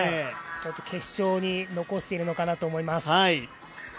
決勝に残しているのかなと思います。